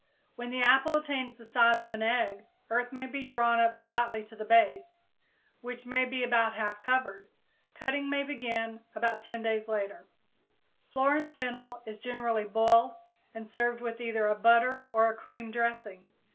When the "apple" attains the size of an egg, earth may be drawn up slightly to the base, which may be about half covered; cutting may begin about 10 days later. Florence fennel is generally boiled and served with either a butter or a cream dressing.